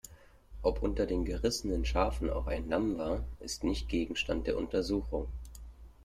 Ob unter den gerissenen Schafen auch ein Lamm war, ist nicht Gegenstand der Untersuchungen.